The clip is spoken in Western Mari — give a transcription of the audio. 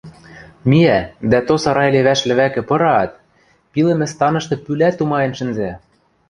Миӓ дӓ то сарай левӓш лӹвӓкӹ пыраат, пилӹмӹ станышты пӱлӓ тумаен шӹнзӓ